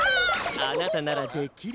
あなたならできる！